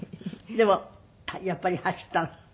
でもやっぱり走ったの？